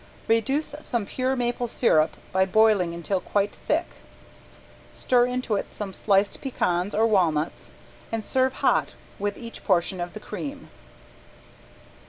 Reduce some pure maple sirup by boiling until quite thick, stir into it some sliced pecans or walnuts and serve hot with each portion of the cream.